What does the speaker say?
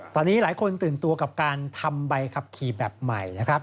ตอนนี้หลายคนตื่นตัวกับการทำใบขับขี่แบบใหม่นะครับ